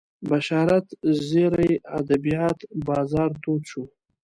بشارت زیري ادبیات بازار تود شو